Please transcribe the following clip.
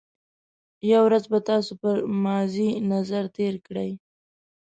یو ورځ به تاسو پر ماضي نظر تېر کړئ.